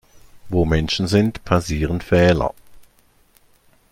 Wo Menschen sind, passieren Fehler.